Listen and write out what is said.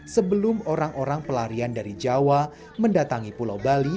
sebelum orang orang pelarian dari jawa mendatangi pulau bali